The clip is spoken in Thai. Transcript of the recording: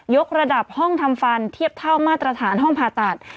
กระดับห้องทำฟันเทียบเท่ามาตรฐานห้องผ่าตัด